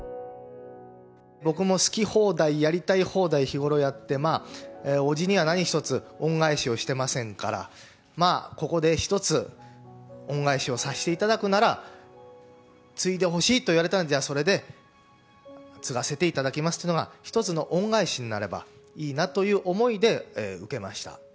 僕も好き放題、やりたい放題日頃やって、伯父には何一つ恩返しをしてませんから、まあ、ここで一つ、恩返しをさせていただくなら、継いでほしいと言われたんで、じゃあそれで、継がせていただきますというのが、一つの恩返しになればいいなという思いで受けました。